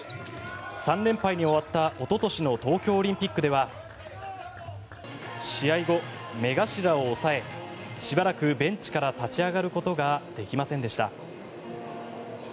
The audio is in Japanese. ３連敗に終わったおととしの東京オリンピックでは試合後、目頭を押さえしばらくベンチから立ち上がることができませんでした。